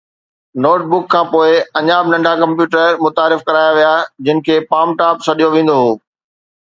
note book کان پوءِ، اڃا به ننڍا ڪمپيوٽر متعارف ڪرايا ويا جن کي پام ٽاپ سڏيو ويندو هو